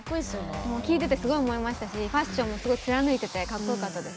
聞いててすごい思いましたしファッションもすごい貫いててかっこよかったです。